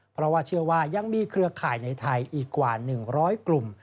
เพราะว่าเชื่อว่ายังมีเครือข่ายในไทยอีกกว่า๑๐๐กลุ่ม